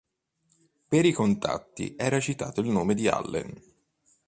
Per i contatti era citato il nome di Allen.